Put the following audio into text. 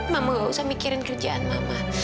mama gak usah mikirin kerjaan mama